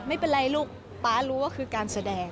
ไม่เป็นไรลูกป๊ารู้ว่าคือการแสดง